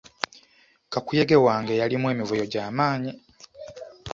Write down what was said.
Kakuyege wange yalimu emivuyo gy'amaanyi.